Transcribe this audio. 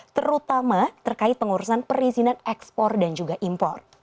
terutama terkait pengurusan perizinan ekspor dan juga impor